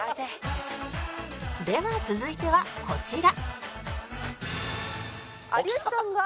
では続いてはこちら